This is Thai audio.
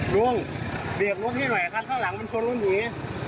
รุ่งเบียบลุกให้หน่อยครับข้างหลังมันชนรถหนี